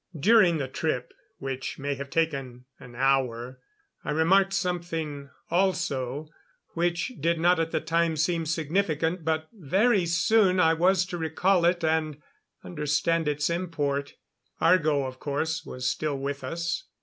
During the trip, which may have taken an hour, I remarked something also, which did not at the time seem significant but very soon I was to recall it and understand its import. Argo, of course, was still with us.